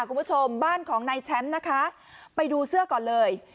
คุณผู้ชมบ้านของนายแชมป์นะคะไปดูเสื้อก่อนเลย